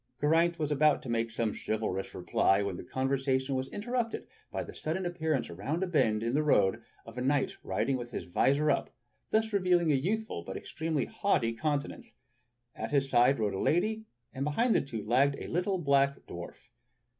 Geraint was about to make some chivalrous reply when the con versation was interrupted by the sudden appearance around a bend in the road of a knight riding with his visor up, and thus revealing a youthful but extremely haughty countenance. At his side rode a lady, and behind the two lagged a little black dw^arf.